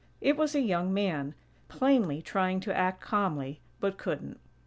It was a young man, plainly trying to act calmly, but couldn't.